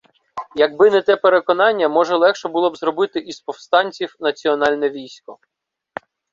Якби не те переконання, може, легше було б зробити із повстанців національне військо.